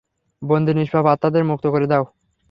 বন্দি নিষ্পাপ আত্মাদের মুক্ত করে দাও!